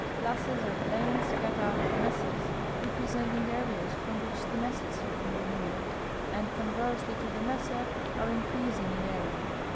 Plazas are plains cut out of mesas, representing areas from which the mesas have been removed, and, conversely to the mesa, are increasing in area.